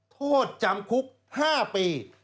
โทษจำคุก๕ปี